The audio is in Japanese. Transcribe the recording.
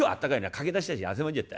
駆けだしたら汗ばんじゃった。